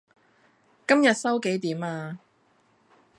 今日收幾點呀?